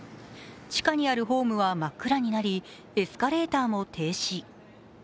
地下にあるホームは真っ暗になりエスカレーターも停止。